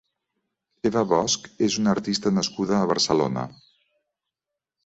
Eva Bosch és una artista nascuda a Barcelona.